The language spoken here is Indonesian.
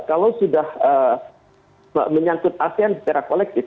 kalau sudah menyangkut asean secara kolektif